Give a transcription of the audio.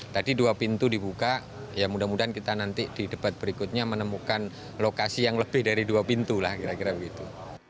tadi dua pintu dibuka ya mudah mudahan kita nanti di debat berikutnya menemukan lokasi yang lebih dari dua pintu lah kira kira begitu